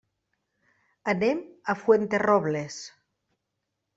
Anem a Fuenterrobles.